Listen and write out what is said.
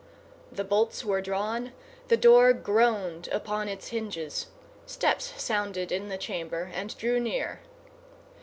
The bolts were drawn; the door groaned upon its hinges. Steps sounded in the chamber, and drew near.